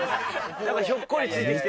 ひょっこりついてきて。